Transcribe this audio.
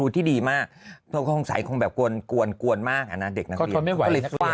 ที่ดีมากเขาคงใส่คงแบบกวนกวนกวนมากอ่ะนะเด็กก็ไม่ไหว